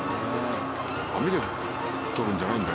網でとるんじゃないんだね。